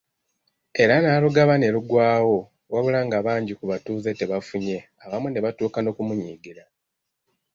Era n'alugaba ne luggwaawo wabula nga bangi ku batuuze tebafunye abamu ne batuuka n’okumunyigira.